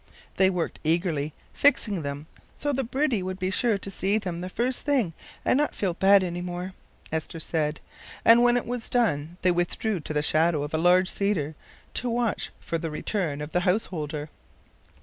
They worked eagerly, fixing them "so the birdie would be sure to see them the first thing and not feel bad any more," Esther said; and when it was done they withdrew to the shadow of a large cedar to watch for the return of the householder.